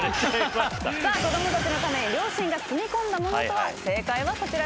さあ子供たちのため両親が積み込んだものとは。正解はこちらです。